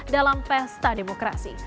dalam festa demokrasi